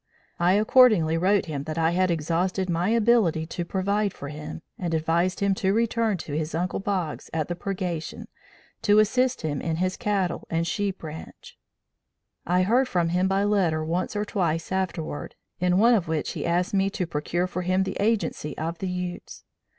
I accordingly wrote him that I had exhausted my ability to provide for him, and advised him to return to his uncle Boggs on the Purgation to assist him in his cattle and sheep ranche. "I heard from him by letter once or twice afterward, in one of which he asked me to procure for him the agency for the Utes.